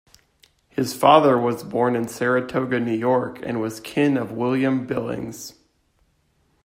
His father was born in Saratoga, New York and was kin of William Billings.